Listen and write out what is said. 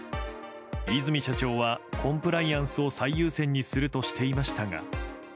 和泉社長はコンプライアンスを最優先にするとしていましたが。